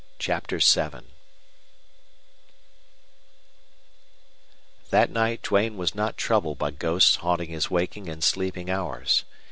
CHAPTER VII That night Duane was not troubled by ghosts haunting his waking and sleeping hours.